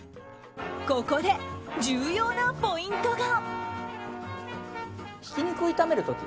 ここで重要なポイントが。